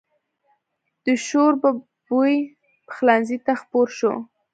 د شوربه بوی پخلنځي ته خپور و.